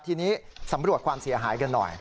ทีนี้สำรวจความเสียหายกันหน่อย